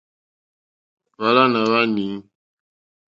Hwálánà hwá nǐ.